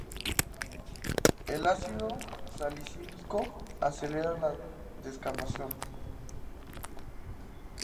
El ácido salicílico acelera la descamación.